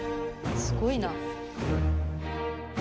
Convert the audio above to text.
すごいな。